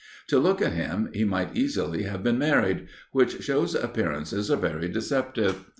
To look at him, he might easily have been married, which shows appearances are very deceptive.